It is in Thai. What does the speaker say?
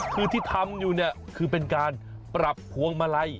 คือที่ทำอยู่เนี่ยคือเป็นการปรับพวงมาลัย